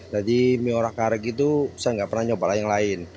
jadi mie orak arik itu saya nggak pernah nyoba yang lain